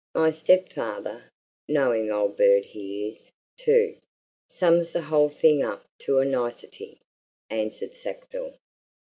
"My stepfather knowing old bird he is, too! sums the whole thing up to a nicety," answered Sackville.